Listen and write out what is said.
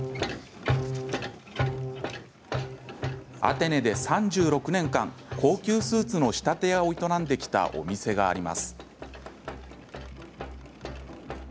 アテネで３６年間高級スーツの仕立て屋を営んできたお店があります。